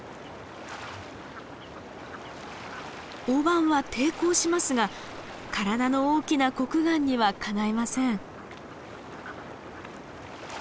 オオバンは抵抗しますが体の大きなコクガンにはかないません。